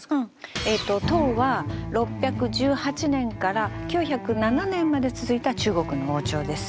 えっと唐は６１８年から９０７年まで続いた中国の王朝です。